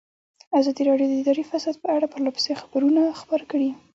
ازادي راډیو د اداري فساد په اړه پرله پسې خبرونه خپاره کړي.